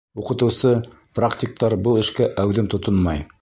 Уҡытыусы-практиктар был эшкә әүҙем тотонмай.